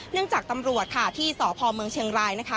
จากตำรวจค่ะที่สพเมืองเชียงรายนะคะ